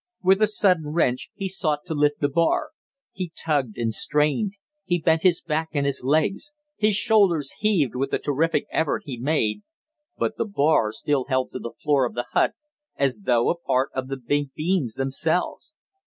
With a sudden wrench he sought to lift the bar. He tugged and strained. He bent his back and his legs; his shoulders heaved with the terrific effort he made but the bar still held to the floor of the hut as though a part of the big beams themselves.